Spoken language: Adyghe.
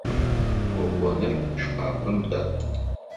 Гогоныр шкафым дэт.